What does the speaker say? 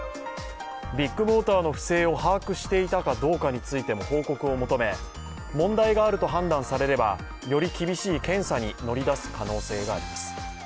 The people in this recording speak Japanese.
ビッグモーターの不正を把握していたかどうかについても報告を求め、問題があると判断されればより厳しい検査に乗り出す可能性があります。